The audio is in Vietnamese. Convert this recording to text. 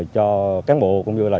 cho cán bộ cũng như là